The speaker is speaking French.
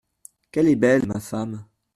Qu’elle est belle, ma femme !…